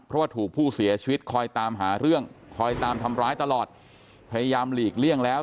เพราะว่าถูกผู้เสียชีวิตคอยตามหาเรื่องคอยตามทำร้ายตลอดพยายามหลีกเลี่ยงแล้ว